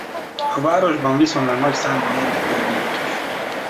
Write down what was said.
A városban viszonylag nagy számban élnek örmények is.